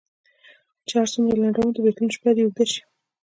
چي هر څو یې لنډومه د بېلتون شپه دي اوږده سي